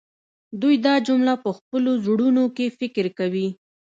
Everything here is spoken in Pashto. دوی دا جمله په خپلو زړونو کې فکر کوي